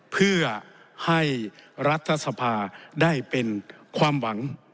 เพื่อให้รัฐสภาได้เป็นความหวัง